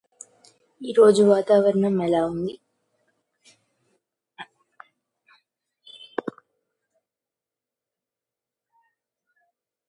ఈ రోజు వాతావరణం ఎలా ఉంది?